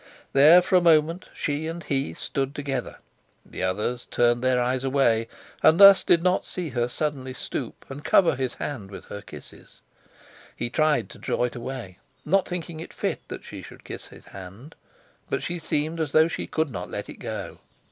There for a moment she and he stood together; the others turned their eyes away and thus did not see her suddenly stoop and cover his hand with her kisses. He tried to draw it away, not thinking it fit that she should kiss his hand, but she seemed as though she could not let it go.